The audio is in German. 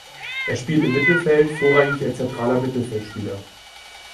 Er spielt im Mittelfeld vorrangig als zentraler Mittelfeldspieler.